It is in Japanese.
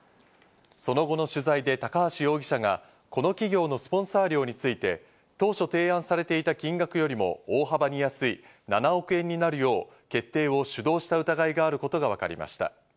その後の取材で高橋容疑者がこの企業のスポンサー料について、当初提案されていた金額よりも大幅に安い７億円になるよう決定を主導した疑いがあることがわかりました。